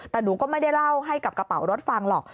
แต่หนูก็ไม่ได้เล่าให้กับกระเป๋ารถฟังหรอก